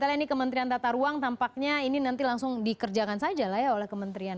dan kita lihat ini kementerian tata ruang tampaknya ini nanti langsung dikerjakan saja oleh kementerian